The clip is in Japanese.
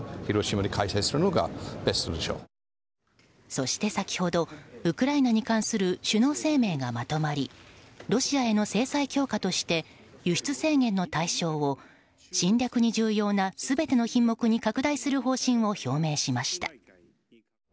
そして先ほどウクライナに関する首脳声明がまとまりロシアへの制裁強化として輸出制限の対象を、侵略に重要な全ての品目に拡大する方針を表明しました。